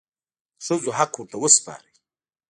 د ښځو حق ورته وسپارئ.